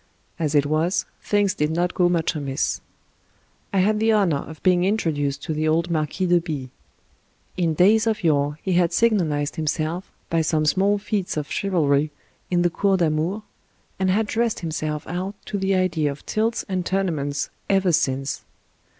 As it was, things did not go much amiss. I had the honor of being introduced to the old Marquis de B . In days of yore he had signalized himself by some small feats of chivalry in the Cour d' Amour, and had dressed himself out to the idea of tilts and tournaments ever since.